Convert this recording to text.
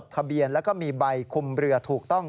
ทะเบียนแล้วก็มีใบคุมเรือถูกต้อง